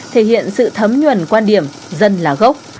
thể hiện sự thấm nhuần quan điểm dân là gốc